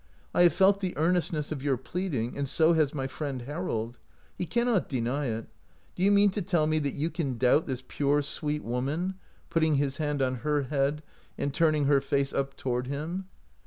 I have felt the ear nestness of your pleading, and so has my friend Harold. He cannot deny it — do you mean to tell me that you can doubt this 132 OUT OF BOHEMIA pure, sweet, woman? " putting his hand on her head and turning her face up toward him.